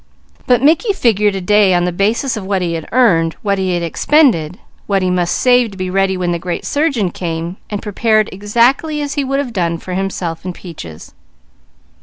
But Mickey figured a day on the basis of what he had earned, what he had expended, what he must save to be ready when the great surgeon came, and prepared exactly as he would have done for himself and Peaches.